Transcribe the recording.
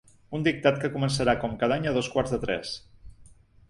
Un dictat que començarà com cada any a dos quarts de tres.